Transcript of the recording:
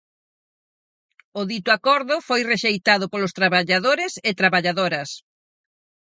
O dito acordo foi rexeitado polos traballadores e traballadoras.